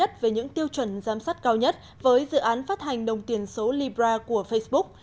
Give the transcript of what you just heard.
về những tiêu chuẩn giám sát cao nhất với dự án phát hành đồng tiền số libra của facebook